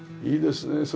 いいですね。